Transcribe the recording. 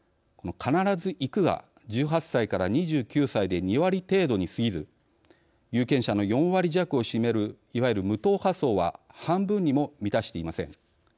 「必ず行く」が１８歳から２９歳で２割程度にすぎず有権者の４割弱を占めるいわゆる無党派層は半分にも満たしていません。